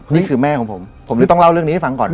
นี่คือแม่ของผมผมเลยต้องเล่าเรื่องนี้ให้ฟังก่อน